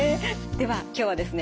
では今日はですね